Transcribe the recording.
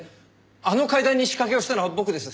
あの階段に仕掛けをしたのは僕です。